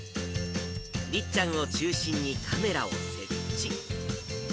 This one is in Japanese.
りっちゃんを中心にカメラを設置。